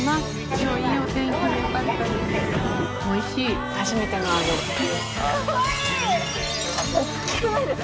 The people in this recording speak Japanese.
きょうはいいお天気でよかったです。